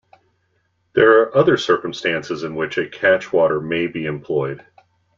There are other circumstances in which a catchwater may be employed.